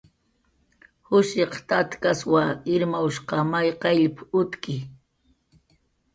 "Jushiq tatkaswa, Irmawshq may qayllp"" utki"